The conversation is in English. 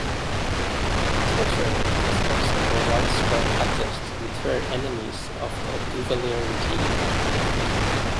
Torture was also a widespread practice to deter enemies of the Duvalier regime.